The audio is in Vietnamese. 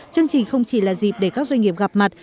chương trình không chỉ là dịp để các doanh nghiệp gặp mặt